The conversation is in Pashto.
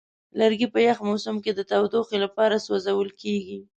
لرګی په یخ موسم کې د تودوخې لپاره سوځول کېږي.